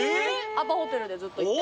アパホテルでずっといて。